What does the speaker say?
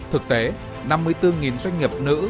thực tế năm mươi bốn doanh nghiệp nữ